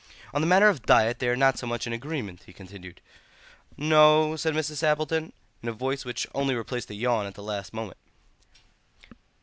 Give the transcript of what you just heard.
"On the matter of diet they are not so much in agreement," he continued. "No?" said Mrs. Sappleton, in a voice which only replaced a yawn at the last moment.